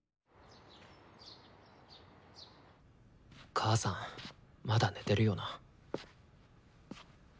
母さんまだ寝てるよな。